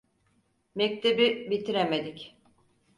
Mektebi bitiremedik.